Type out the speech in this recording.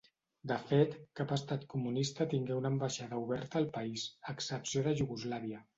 De fet, cap Estat comunista tingué una ambaixada oberta al país, a excepció de Iugoslàvia.